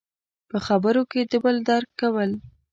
– په خبرو کې د بل درک کول.